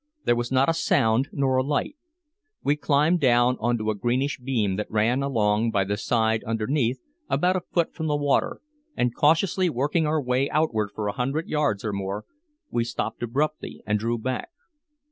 There was not a sound nor a light. We climbed down onto a greenish beam that ran along by the side underneath, about a foot from the water, and cautiously working our way outward for a hundred yards or more, we stopped abruptly and drew back.